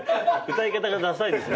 歌い方がダサいです